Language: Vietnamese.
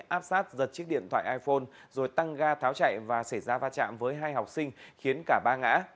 áp sát giật chiếc điện thoại iphone rồi tăng ga tháo chạy và xảy ra va chạm với hai học sinh khiến cả ba ngã